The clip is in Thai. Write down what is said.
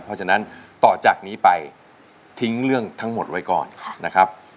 เพราะฉะนั้นต่อจากนี้ไปทิ้งเรื่องทั้งหมดไว้ก่อนนะครับ